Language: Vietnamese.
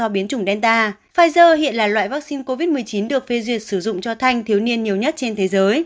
pfizer hiện là loại vaccine covid một mươi chín được phê duyệt sử dụng cho thanh thiếu niên nhiều nhất trên thế giới